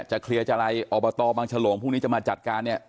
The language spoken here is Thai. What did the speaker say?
เคลียร์จะอะไรอบตบางฉลงพรุ่งนี้จะมาจัดการเนี่ย